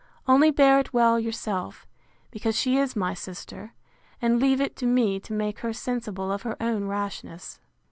Only bear it well yourself, because she is my sister; and leave it to me to make her sensible of her own rashness.